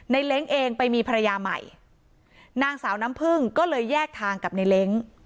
เล้งเองไปมีภรรยาใหม่นางสาวน้ำพึ่งก็เลยแยกทางกับในเล้ง